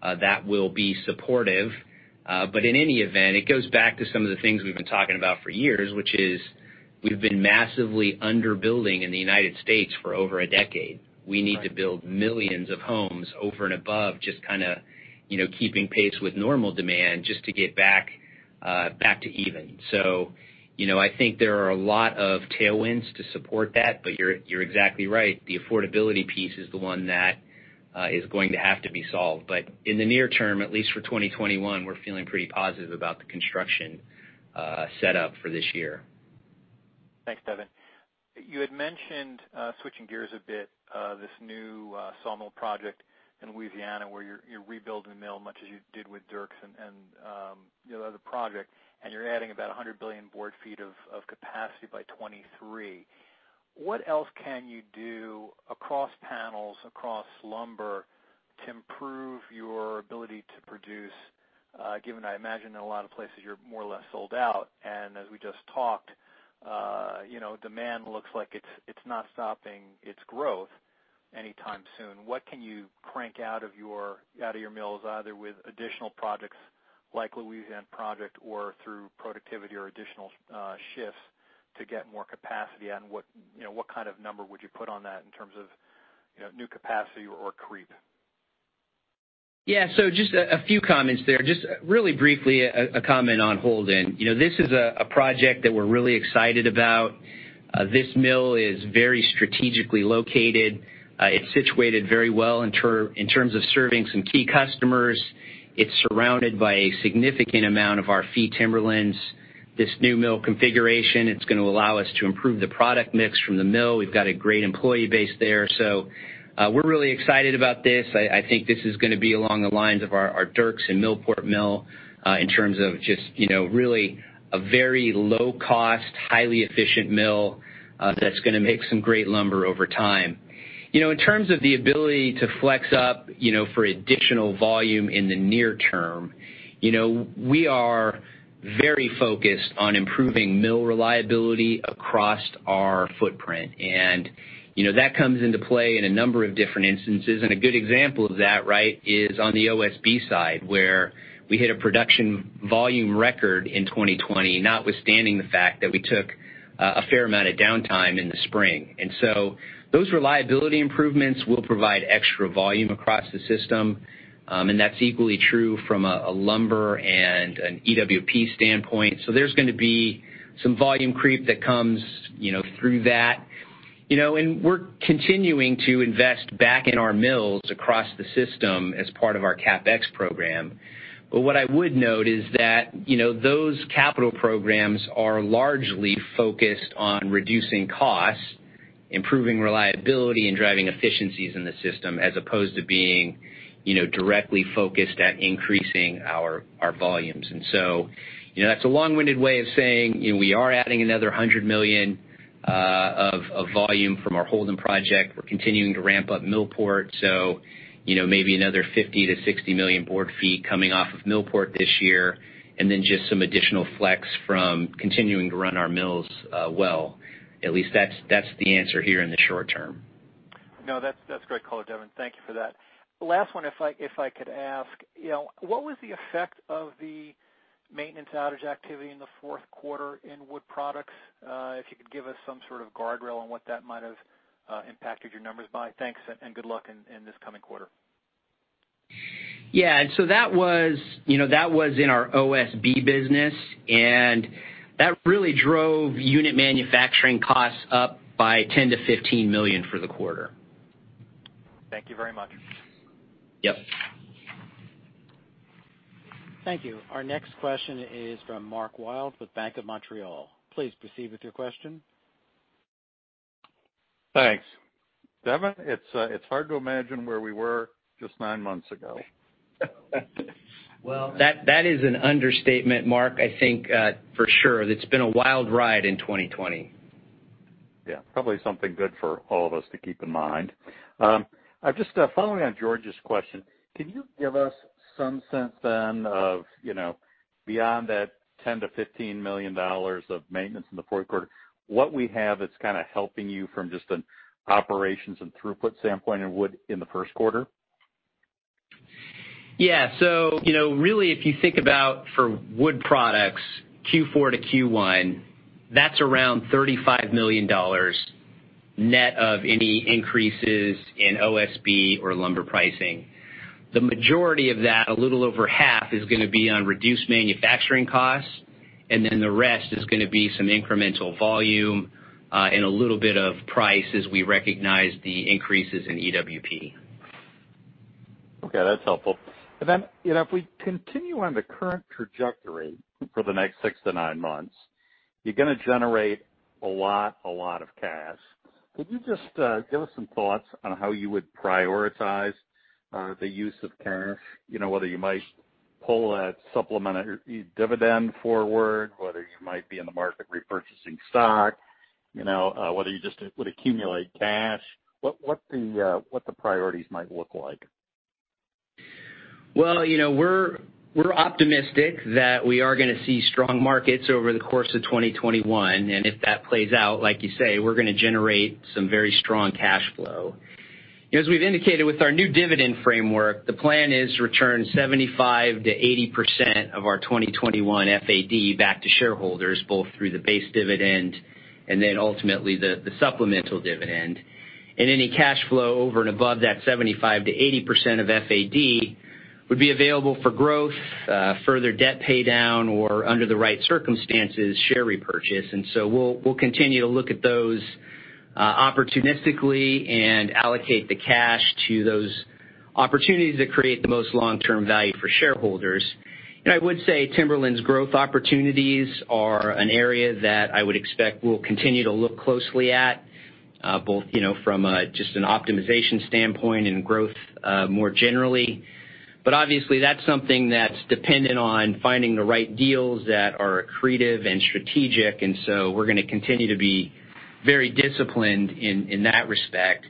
that will be supportive. But in any event, it goes back to some of the things we've been talking about for years, which is we've been massively underbuilding in the United States for over a decade. We need to build millions of homes over and above just kind of keeping pace with normal demand just to get back to even. So I think there are a lot of tailwinds to support that. But you're exactly right. The affordability piece is the one that is going to have to be solved. But in the near term, at least for 2021, we're feeling pretty positive about the construction setup for this year. Thanks, Devin. You had mentioned switching gears a bit, this new sawmill project in Louisiana where you're rebuilding the mill much as you did with Dierks and the other project, and you're adding about 100 billion board ft of capacity by 2023. What else can you do across panels, across lumber to improve your ability to produce, given I imagine in a lot of places you're more or less sold out? And as we just talked, demand looks like it's not stopping its growth anytime soon. What can you crank out of your mills either with additional projects like the Louisiana project or through productivity or additional shifts to get more capacity? And what kind of number would you put on that in terms of new capacity or creep? Yeah. So just a few comments there. Just really briefly, a comment on Holden. This is a project that we're really excited about. This mill is very strategically located. It's situated very well in terms of serving some key customers. It's surrounded by a significant amount of our fee timberlands. This new mill configuration, it's going to allow us to improve the product mix from the mill. We've got a great employee base there. So we're really excited about this. I think this is going to be along the lines of our Dierks and Millport mill in terms of just really a very low-cost, highly efficient mill that's going to make some great lumber over time. In terms of the ability to flex up for additional volume in the near term, we are very focused on improving mill reliability across our footprint. That comes into play in a number of different instances. A good example of that, right, is on the OSB side where we hit a production volume record in 2020, notwithstanding the fact that we took a fair amount of downtime in the spring. Those reliability improvements will provide extra volume across the system. That's equally true from a lumber and an EWP standpoint. There's going to be some volume creep that comes through that. We're continuing to invest back in our mills across the system as part of our CapEx program. What I would note is that those capital programs are largely focused on reducing costs, improving reliability, and driving efficiencies in the system as opposed to being directly focused at increasing our volumes. And so that's a long-winded way of saying we are adding another 100 million of volume from our Holden project. We're continuing to ramp up Millport. So maybe another 50 million-60 million board ft coming off of Millport this year. And then just some additional flex from continuing to run our mills well. At least that's the answer here in the short term. No, that's great color, Devin. Thank you for that. Last one, if I could ask, what was the effect of the maintenance outage activity in the fourth quarter in Wood Products? If you could give us some sort of guardrail on what that might have impacted your numbers by. Thanks and good luck in this coming quarter. Yeah. And so that was in our OSB business. And that really drove unit manufacturing costs up by $10 million-$15 million for the quarter. Thank you very much. Yep. Thank you. Our next question is from Mark Wilde with Bank of Montreal. Please proceed with your question. Thanks. Devin, it's hard to imagine where we were just nine months ago. That is an understatement, Mark, I think for sure. It's been a wild ride in 2020. Yeah. Probably something good for all of us to keep in mind. Just following on George's question, can you give us some sense then of beyond that $10 million-$15 million of maintenance in the fourth quarter, what we have that's kind of helping you from just an operations and throughput standpoint in wood in the first quarter? Yeah. So really, if you think about for Wood Products, Q4 to Q1, that's around $35 million net of any increases in OSB or lumber pricing. The majority of that, a little over half, is going to be on reduced manufacturing costs. And then the rest is going to be some incremental volume and a little bit of price as we recognize the increases in EWP. Okay. That's helpful. And then if we continue on the current trajectory for the next six to nine months, you're going to generate a lot, a lot of cash. Could you just give us some thoughts on how you would prioritize the use of cash, whether you might pull a supplemental dividend forward, whether you might be in the market repurchasing stock, whether you just would accumulate cash? What the priorities might look like? We're optimistic that we are going to see strong markets over the course of 2021. If that plays out, like you say, we're going to generate some very strong cash flow. As we've indicated with our new dividend framework, the plan is to return 75%-80% of our 2021 FAD back to shareholders, both through the base dividend and then ultimately the supplemental dividend. Any cash flow over and above that 75%-80% of FAD would be available for growth, further debt paydown, or under the right circumstances, share repurchase. We'll continue to look at those opportunistically and allocate the cash to those opportunities that create the most long-term value for shareholders. I would say Timberlands growth opportunities are an area that I would expect we'll continue to look closely at, both from just an optimization standpoint and growth more generally. Obviously, that's something that's dependent on finding the right deals that are accretive and strategic. We're going to continue to be very disciplined in that respect.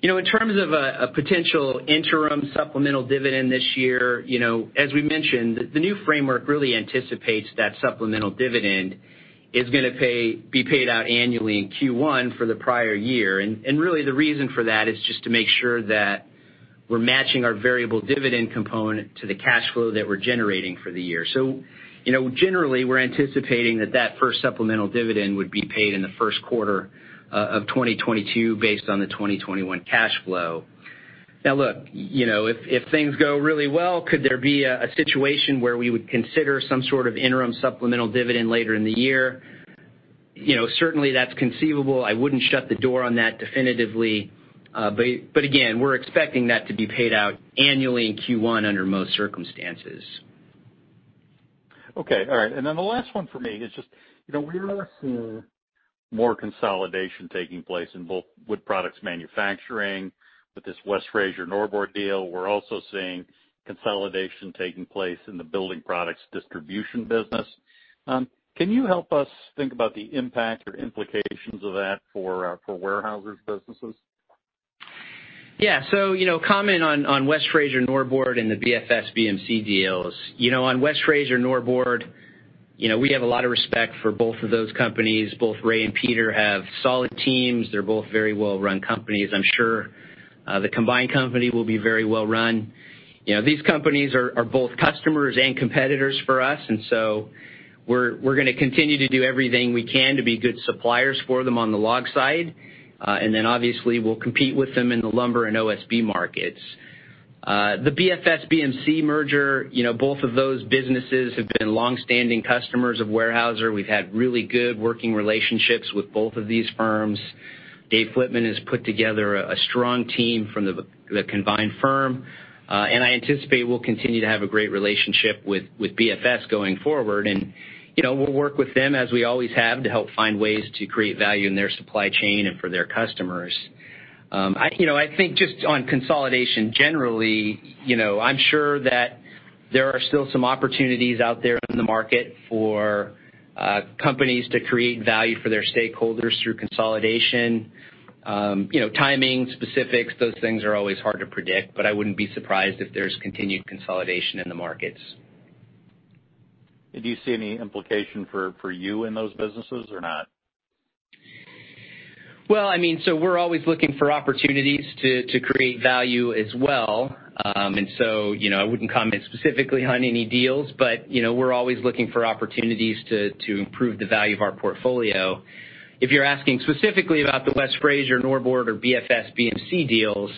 In terms of a potential interim supplemental dividend this year, as we mentioned, the new framework really anticipates that supplemental dividend is going to be paid out annually in Q1 for the prior year. Really, the reason for that is just to make sure that we're matching our variable dividend component to the cash flow that we're generating for the year. Generally, we're anticipating that that first supplemental dividend would be paid in the first quarter of 2022 based on the 2021 cash flow. Now, look, if things go really well, could there be a situation where we would consider some sort of interim supplemental dividend later in the year? Certainly, that's conceivable. I wouldn't shut the door on that definitively. But again, we're expecting that to be paid out annually in Q1 under most circumstances. And then the last one for me is just we are seeing more consolidation taking place in both Wood Products manufacturing with this West Fraser Norbord deal. We're also seeing consolidation taking place in the building products distribution business. Can you help us think about the impact or implications of that for Weyerhaeuser's businesses? Yeah. So, comment on West Fraser Norbord and the BFS-BMC deals. On West Fraser Norbord, we have a lot of respect for both of those companies. Both Ray and Peter have solid teams. They're both very well-run companies. I'm sure the combined company will be very well-run. These companies are both customers and competitors for us. And so we're going to continue to do everything we can to be good suppliers for them on the log side. And then obviously, we'll compete with them in the lumber and OSB markets. The BFS-BMC Merger, both of those businesses have been long-standing customers of Weyerhaeuser. We've had really good working relationships with both of these firms. Dave Flitman has put together a strong team from the combined firm. And I anticipate we'll continue to have a great relationship with BFS going forward. And we'll work with them as we always have to help find ways to create value in their supply chain and for their customers. I think just on consolidation generally, I'm sure that there are still some opportunities out there in the market for companies to create value for their stakeholders through consolidation. Timing specifics, those things are always hard to predict. But I wouldn't be surprised if there's continued consolidation in the markets. Do you see any implication for you in those businesses or not? I mean, so we're always looking for opportunities to create value as well. I wouldn't comment specifically on any deals. We're always looking for opportunities to improve the value of our portfolio. If you're asking specifically about the West Fraser Norbord or BFS-BMC deals,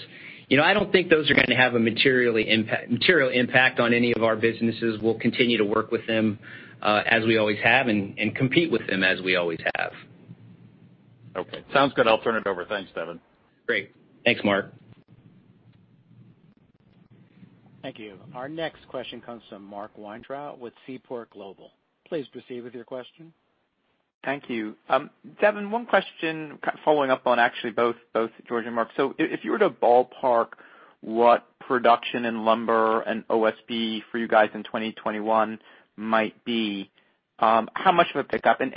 I don't think those are going to have a material impact on any of our businesses. We'll continue to work with them as we always have and compete with them as we always have. Okay. Sounds good. I'll turn it over. Thanks, Devin. Great. Thanks, Mark. Thank you. Our next question comes from Mark Weintraub with Seaport Global. Please proceed with your question. Thank you. Devin, one question following up on actually both George and Mark. So if you were to ballpark what production in lumber and OSB for you guys in 2021 might be, how much of a pickup? And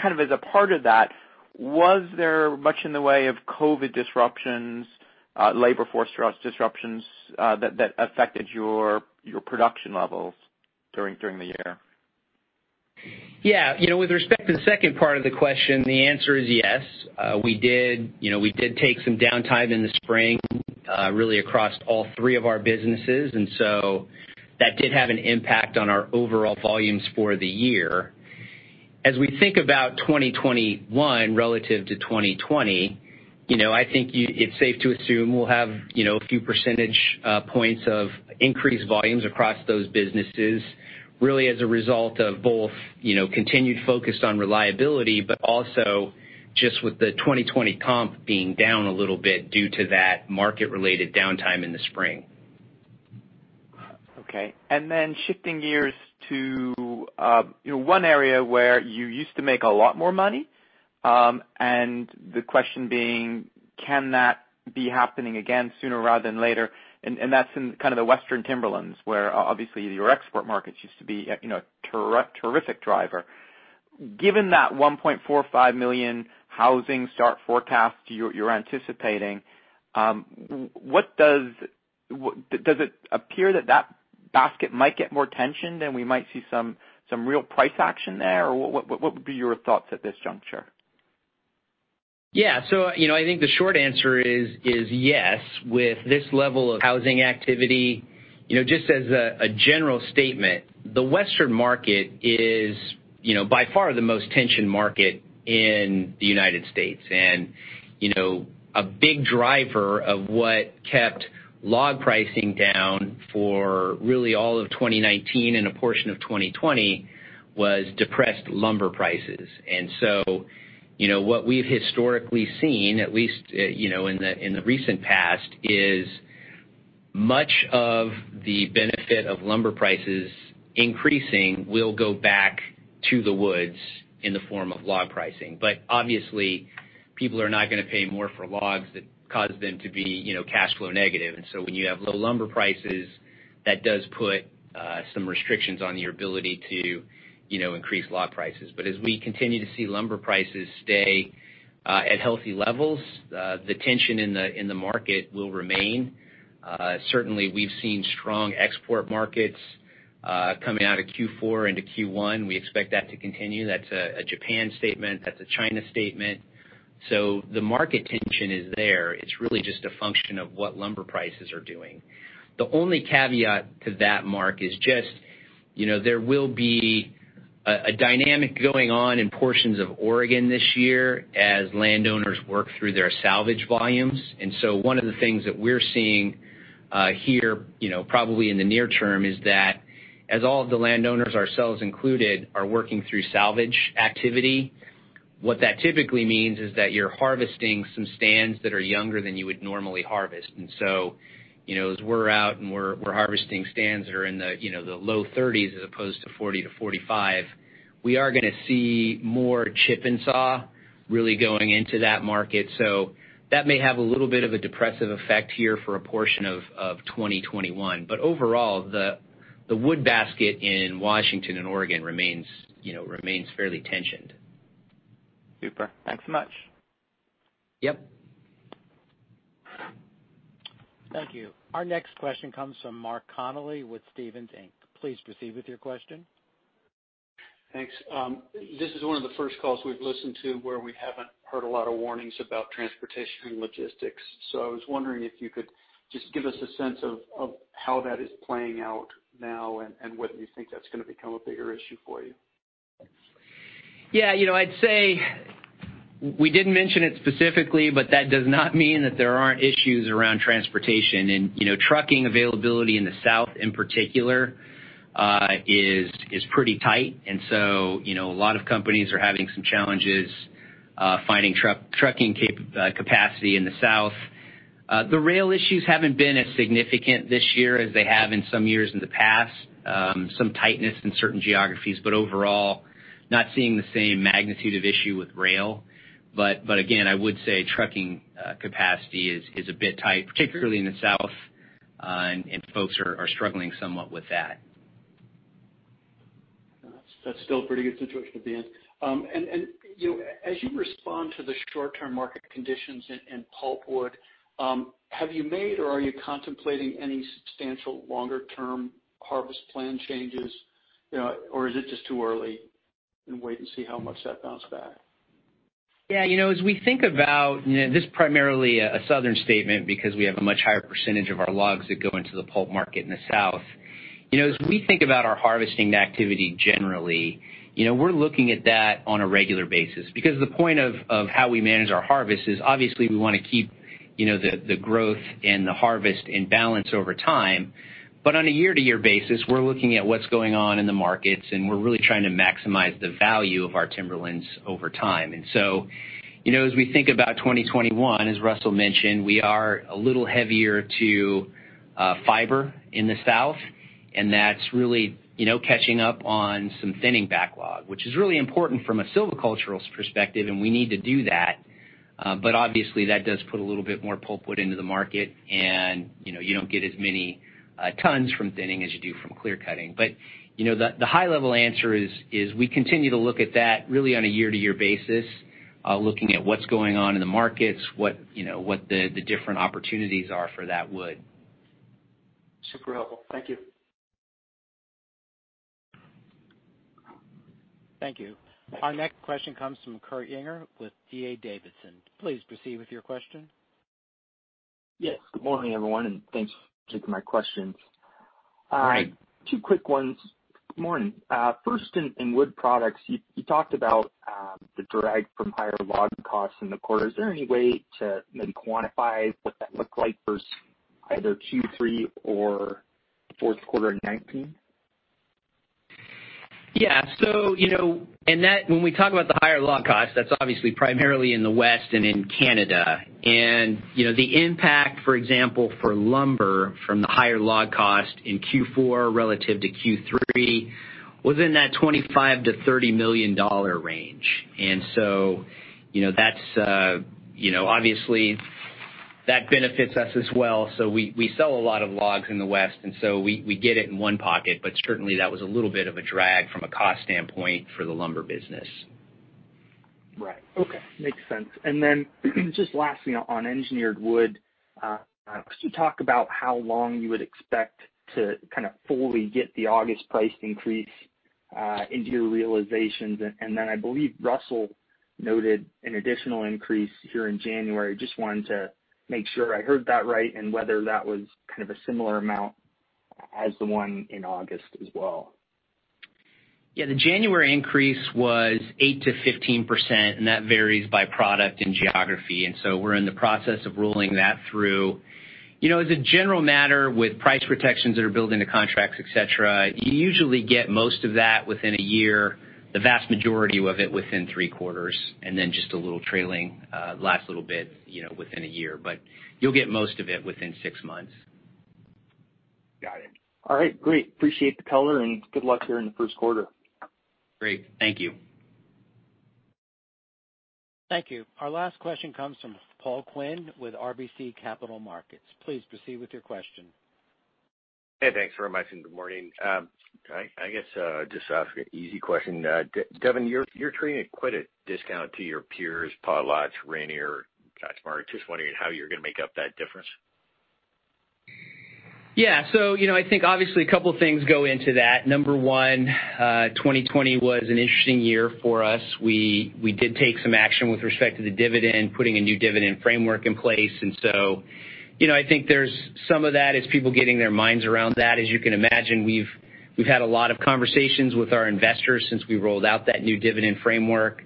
kind of as a part of that, was there much in the way of COVID disruptions, labor force disruptions that affected your production levels during the year? Yeah. With respect to the second part of the question, the answer is yes. We did take some downtime in the spring really across all three of our businesses, and so that did have an impact on our overall volumes for the year. As we think about 2021 relative to 2020, I think it's safe to assume we'll have a few percentage points of increased volumes across those businesses really as a result of both continued focus on reliability, but also just with the 2020 comp being down a little bit due to that market-related downtime in the spring. Okay. Then shifting gears to one area where you used to make a lot more money. The question being, can that be happening again sooner rather than later? That's in kind of the Western Timberlands where obviously your export markets used to be a terrific driver. Given that 1.45 million housing starts forecast you're anticipating, does it appear that that basket might get more attention and we might see some real price action there? Or what would be your thoughts at this juncture? Yeah. So I think the short answer is yes. With this level of housing activity, just as a general statement, the Western market is by far the most tense market in the United States. And a big driver of what kept log pricing down for really all of 2019 and a portion of 2020 was depressed lumber prices. And so what we've historically seen, at least in the recent past, is much of the benefit of lumber prices increasing will go back to the woods in the form of log pricing. But obviously, people are not going to pay more for logs that cause them to be cash flow negative. And so when you have low lumber prices, that does put some restrictions on your ability to increase log prices. But as we continue to see lumber prices stay at healthy levels, the tension in the market will remain. Certainly, we've seen strong export markets coming out of Q4 into Q1. We expect that to continue. That's a Japan statement. That's a China statement. So the market tension is there. It's really just a function of what lumber prices are doing. The only caveat to that, Mark, is just there will be a dynamic going on in portions of Oregon this year as landowners work through their salvage volumes. And so one of the things that we're seeing here probably in the near term is that as all of the landowners, ourselves included, are working through salvage activity, what that typically means is that you're harvesting some stands that are younger than you would normally harvest. And so as we're out and we're harvesting stands that are in the low 30s as opposed to 40 to 45, we are going to see more chip-n-saw really going into that market. So that may have a little bit of a depressive effect here for a portion of 2021. But overall, the wood basket in Washington and Oregon remains fairly tensioned. Super. Thanks so much. Yep. Thank you. Our next question comes from Mark Connelly with Stephens Inc. Please proceed with your question. Thanks. This is one of the first calls we've listened to where we haven't heard a lot of warnings about transportation and logistics. So I was wondering if you could just give us a sense of how that is playing out now and whether you think that's going to become a bigger issue for you? Yeah. I'd say we didn't mention it specifically, but that does not mean that there aren't issues around transportation. And trucking availability in the South in particular is pretty tight. And so a lot of companies are having some challenges finding trucking capacity in the South. The rail issues haven't been as significant this year as they have in some years in the past, some tightness in certain geographies. But overall, not seeing the same magnitude of issue with rail. But again, I would say trucking capacity is a bit tight, particularly in the South, and folks are struggling somewhat with that. That's still a pretty good situation to be in, and as you respond to the short-term market conditions in pulpwood, have you made or are you contemplating any substantial longer-term harvest plan changes? Or is it just too early and wait and see how much that bounce back? Yeah. As we think about this, it is primarily a Southern statement because we have a much higher percentage of our logs that go into the pulp market in the South. As we think about our harvesting activity generally, we're looking at that on a regular basis. Because the point of how we manage our harvest is obviously we want to keep the growth and the harvest in balance over time. But on a year-to-year basis, we're looking at what's going on in the markets, and we're really trying to maximize the value of our timberlands over time. And so as we think about 2021, as Russell mentioned, we are a little heavier to fiber in the South. And that's really catching up on some thinning backlog, which is really important from a silvicultural perspective, and we need to do that. But obviously, that does put a little bit more pulpwood into the market, and you don't get as many tons from thinning as you do from clear cutting. But the high-level answer is we continue to look at that really on a year-to-year basis, looking at what's going on in the markets, what the different opportunities are for that wood. Super helpful. Thank you. Thank you. Our next question comes from Kurt Yinger with D.A. Davidson. Please proceed with your question. Yes. Good morning, everyone, and thanks for taking my questions. Two quick ones. Good morning. First, in Wood Products, you talked about the drag from higher log costs in the quarter. Is there any way to maybe quantify what that looked like for either Q3 or fourth quarter of 2019? Yeah. And when we talk about the higher log costs, that's obviously primarily in the West and in Canada. And the impact, for example, for lumber from the higher log cost in Q4 relative to Q3 was in that $25 million-$30 million range. And so that's obviously that benefits us as well. So we sell a lot of logs in the West, and so we get it in one pocket. But certainly, that was a little bit of a drag from a cost standpoint for the lumber business. Right. Okay. Makes sense. And then just lastly, on Engineered Wood, could you talk about how long you would expect to kind of fully get the August price increase into your realizations? And then I believe Russell noted an additional increase here in January. Just wanted to make sure I heard that right and whether that was kind of a similar amount as the one in August as well. Yeah. The January increase was 8%-15%, and that varies by product and geography, and so we're in the process of rolling that through. As a general matter, with price protections that are built into contracts, etc., you usually get most of that within a year, the vast majority of it within three quarters, and then just a little trailing last little bit within a year, but you'll get most of it within six months. Got it. All right. Great. Appreciate the color, and good luck here in the first quarter. Great. Thank you. Thank you. Our last question comes from Paul Quinn with RBC Capital Markets. Please proceed with your question. Hey, thanks very much. And good morning. I guess just an easy question. Devin, you're trading at quite a discount to your peers, Potlatch, Rayonier, CatchMark. Just wondering how you're going to make up that difference. Yeah. So I think obviously a couple of things go into that. Number one, 2020 was an interesting year for us. We did take some action with respect to the dividend, putting a new dividend framework in place. And so I think there's some of that as people getting their minds around that. As you can imagine, we've had a lot of conversations with our investors since we rolled out that new dividend framework.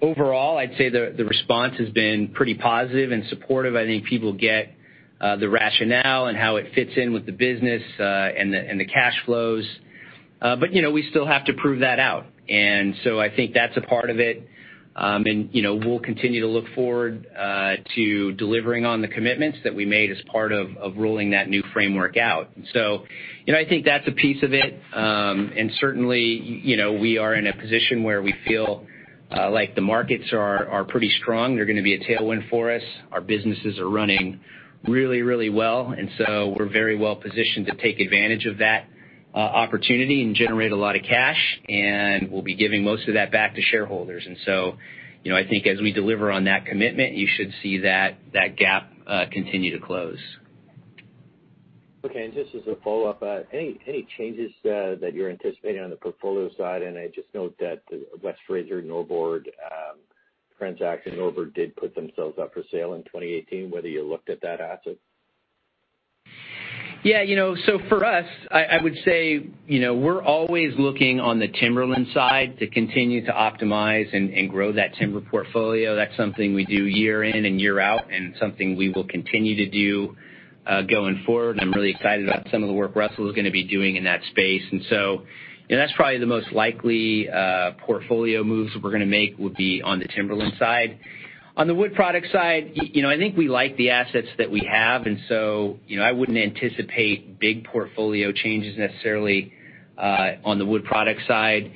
Overall, I'd say the response has been pretty positive and supportive. I think people get the rationale and how it fits in with the business and the cash flows. But we still have to prove that out. And so I think that's a part of it. And we'll continue to look forward to delivering on the commitments that we made as part of rolling that new framework out. So I think that's a piece of it. Certainly, we are in a position where we feel like the markets are pretty strong. They're going to be a tailwind for us. Our businesses are running really, really well. So we're very well positioned to take advantage of that opportunity and generate a lot of cash. We'll be giving most of that back to shareholders. So I think as we deliver on that commitment, you should see that gap continue to close. Okay. And just as a follow-up, any changes that you're anticipating on the portfolio side? And I just note that West Fraser Norbord transaction, Norbord, did put themselves up for sale in 2018. Whether you looked at that asset? Yeah. So for us, I would say we're always looking on the Timberlands side to continue to optimize and grow that timber portfolio. That's something we do year in and year out and something we will continue to do going forward. I'm really excited about some of the work Russell is going to be doing in that space. And so that's probably the most likely portfolio moves we're going to make would be on the Timberlands side. On the Wood Product side, I think we like the assets that we have. And so I wouldn't anticipate big portfolio changes necessarily on the Wood Product side.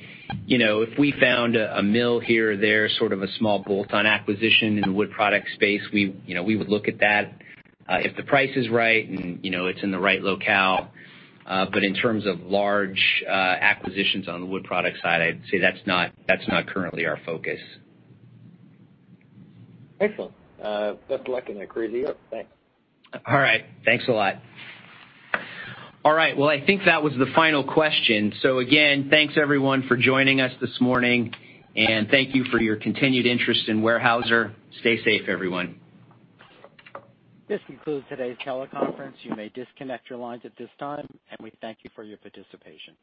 If we found a mill here or there, sort of a small bolt-on acquisition in the Wood Product space, we would look at that if the price is right and it's in the right locale. But in terms of large acquisitions on the Wood Product side, I'd say that's not currently our focus. Excellent. Best of luck in that crazy year. Thanks. All right. Thanks a lot. All right. Well, I think that was the final question. So again, thanks everyone for joining us this morning. And thank you for your continued interest in Weyerhaeuser. Stay safe, everyone. This concludes today's teleconference. You may disconnect your lines at this time, and we thank you for your participation.